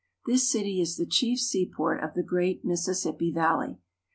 This city is the chief sea port of the great Mississippi Valley.